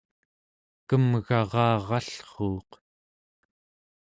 kemgararallruuq